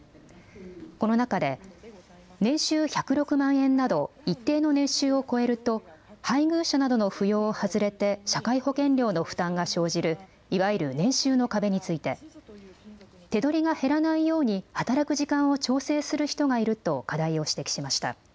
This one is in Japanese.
この中で年収１０６万円など一定の年収を超えると配偶者などの扶養を外れて社会保険料の負担が生じるいわゆる年収の壁について手取りが減らないように働く時間を調整する人がいると課題を指摘しました。